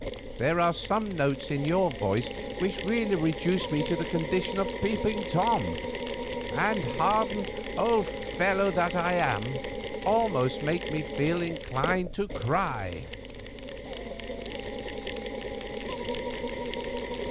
There are some notes in your voice which really reduce me to the condition of peeping Thomas, and, hardened old fellow that I am, almost make me feel inclined to cry."